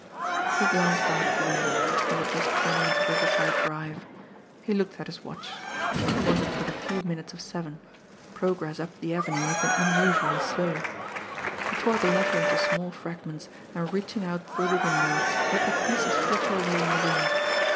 He glanced out of the window they were just turning into Riverside Drive. He looked at his watch. It wanted but a few minutes of seven progress up the Avenue had been unusually slow. He tore the letter into small fragments, and reaching out through the window, let the pieces flutter away in the wind.